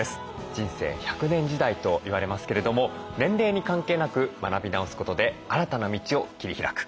人生１００年時代と言われますけれども年齢に関係なく学び直すことで新たな道を切り開く。